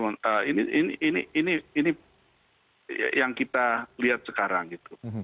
nah ini yang kita lihat sekarang gitu